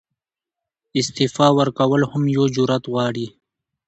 استعفاء ورکول هم یو جرئت غواړي.